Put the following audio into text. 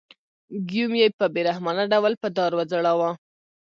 ګیوم یې په بې رحمانه ډول په دار وځړاوه.